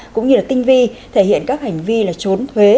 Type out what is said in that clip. cũng như tinh vi thể hiện các hành vi là trốn thuế